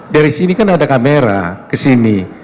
dari sini kan ada kamera ke sini